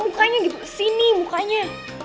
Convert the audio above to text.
mukanya gitu kesini mukanya